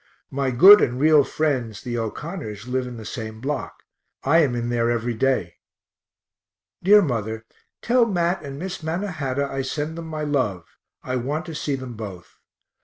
My good and real friends the O'Connors live in the same block; I am in there every day. Dear mother, tell Mat and Miss Mannahatta I send them my love I want to see them both.